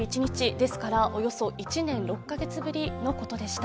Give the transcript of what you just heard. ですからおよそ１年６カ月ぶりのことでした。